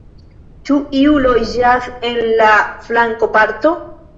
Ĉu iu loĝas en la flankoparto?